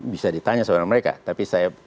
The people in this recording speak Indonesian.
bisa ditanya sama orang mereka tapi saya